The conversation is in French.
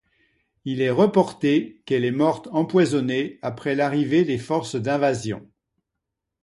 Il est reporté qu'elle est morte empoisonnée après l'arrivée des forces d'invasion.